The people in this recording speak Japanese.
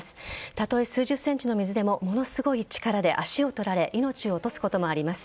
たとえ数十ｃｍの水でもものすごい力で足を取られ命を落とすこともあります。